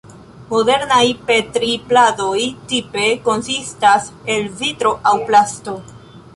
Modernaj Petri-pladoj tipe konsistas el vitro aŭ plasto.